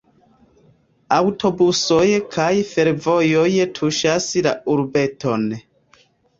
Aŭtobusoj kaj fervojoj tuŝas la urbeton.